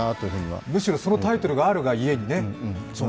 むしろそのタイトルがあるがゆえにね。